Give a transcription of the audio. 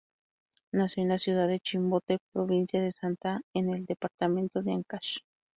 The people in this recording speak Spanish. Nació en la ciudad de Chimbote, provincia del Santa en el departamento de Ancash.